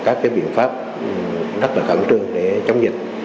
các biện pháp là khẩn trương để chống dịch